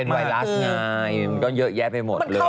ไวรัสไงมันก็เยอะแยะไปหมดเลย